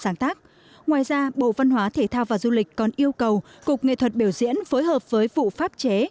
sáng tác ngoài ra bộ văn hóa thể thao và du lịch còn yêu cầu cục nghệ thuật biểu diễn phối hợp với vụ pháp chế